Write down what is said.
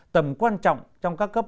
tầm quan trọng trong các kế hoạch